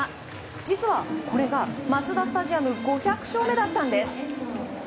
実は、これがマツダスタジアム５００勝目だったんです。